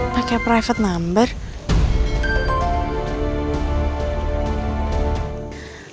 pakai nomer pribadi